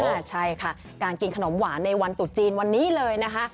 ใช่ค่ะการกินขนมหวานในวันตุดจีนวันนี้เลยนะคะ